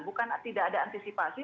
bukan tidak ada antisipasi